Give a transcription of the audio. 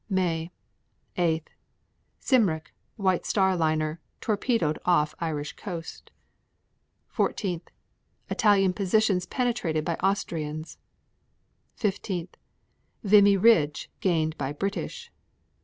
May 8. Cymric, White Star liner, torpedoed off Irish coast. 14. Italian positions penetrated by Austrians. 15. Vimy Ridge gained by British.